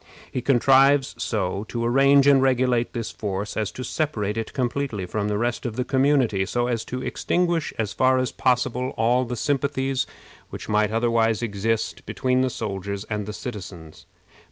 He contrives so to arrange and regulate this force as to separate it completely from the rest of the community, so as to extinguish as far as possible all the sympathies which might otherwise exist between the soldiers and the citizens.